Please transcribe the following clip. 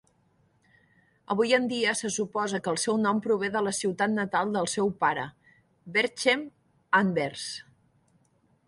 Avui en dia se suposa que el seu nom prové de la ciutat natal del seu pare, Berchem, Anvers.